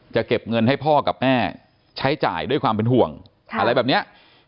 จะเก็บเงินให้พ่อกับแม่ใช้จ่ายด้วยความเป็นห่วงอะไรแบบนี้